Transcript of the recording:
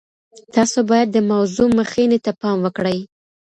تاسو باید د موضوع مخینې ته پام وکړئ.